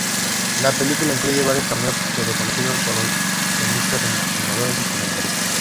La película incluye varios cameos de conocidos baloncestistas, entrenadores y comentaristas.